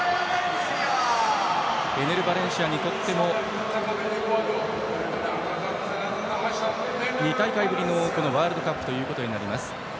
エネル・バレンシアにとっても２大会ぶりのワールドカップとなります。